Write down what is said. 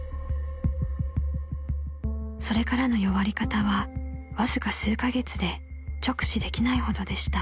［それからの弱り方はわずか数カ月で直視できないほどでした］